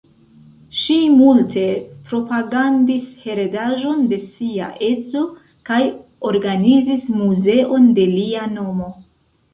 Ŝi multe propagandis heredaĵon de sia edzo kaj organizis muzeon de lia nomo.